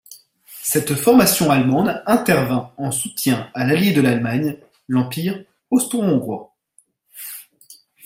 Cette formation allemande intervint en soutien à l'allié de l’Allemagne, l'Empire austro-hongrois.